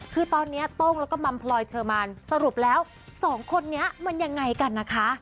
คือตอนนี้โต้งแล้วก็มัมพลอยเชอร์มานสรุปแล้วสองคนนี้มันยังไงกันนะคะ